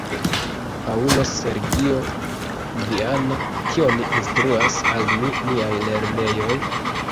Paŭlo Sergio Viana, "Kion instruas al ni niaj lernejoj?